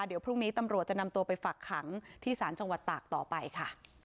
เดี๋ยวพรุ่งนี้ตำรวจจะนำตัวไปฝักขังที่ศาลจังหวัดตากต่อไปค่ะ